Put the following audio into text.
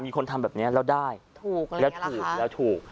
คนทำแบบนี้แล้วได้ถูกแล้วถูกแล้วถูก